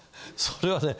それはね